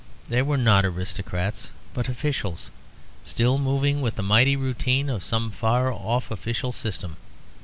They were not aristocrats but officials; still moving with the mighty routine of some far off official system.